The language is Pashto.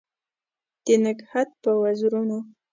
د نګهت په وزرونو